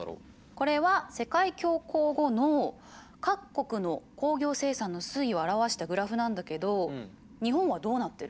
これは世界恐慌後の各国の工業生産の推移を表したグラフなんだけど日本はどうなってる？